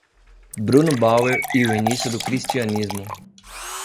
Bruno Bauer e o Início do Cristianismo